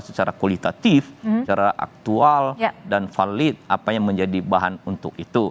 secara kualitatif secara aktual dan valid apa yang menjadi bahan untuk itu